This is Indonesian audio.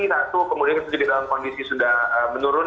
rasu kemudian kita jadi dalam kondisi sudah menurun